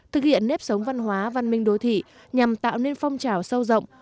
thực hiện nếp sống văn hóa văn minh đô thị nhằm tạo nên phong trào sâu rộng